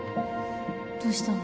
どうしたの？